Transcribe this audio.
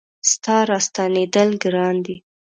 ستا را ستنېدل ګران دي